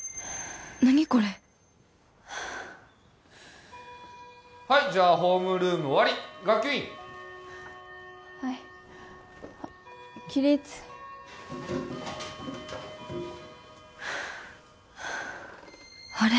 何これはいじゃあホームルーム終わり学級委員はい起立あれ？